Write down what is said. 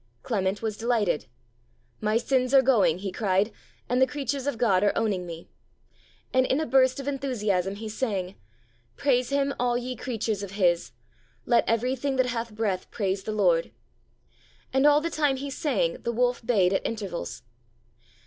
Clement was delighted. "My sins are going," he cried, "and the creatures of God are owning me!" And in a burst of enthusiasm he sang: Praise Him, all ye creatures of His! Let everything that hath breath praise the Lord! And all the time he sang the wolf bayed at intervals.'